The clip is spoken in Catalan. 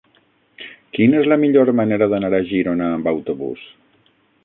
Quina és la millor manera d'anar a Girona amb autobús?